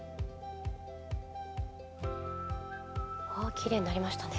きれいになりましたね。